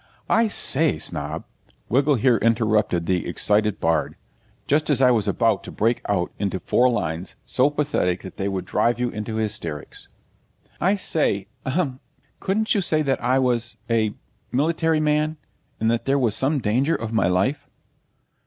...' 'I say, Snob!' Wiggle here interrupted the excited bard (just as I was about to break out into four lines so pathetic that they would drive you into hysterics). 'I say ahem couldn't you say that I was a military man, and that there was some danger of my life?'